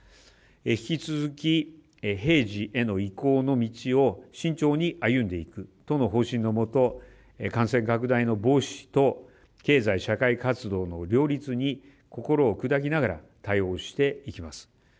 引き続き平時への移行の道を慎重に歩んでいくとの方針のもと感染拡大の防止と経済社会活動の両立に心を砕きながら対応していきます。